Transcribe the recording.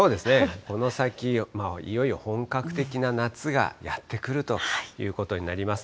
この先、いよいよ本格的な夏がやって来るということになります。